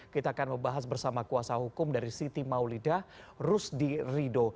kita akan membahas bersama kuasa hukum dari siti maulidah rusdi rido